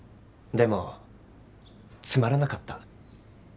でもつまらなかった。